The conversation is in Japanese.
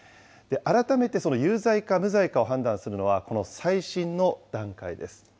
改めてその有罪か無罪かを判断するのはこの再審の段階です。